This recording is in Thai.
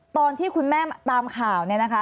ตอนที่คุณแม่ตามข่าวเนี่ยนะคะ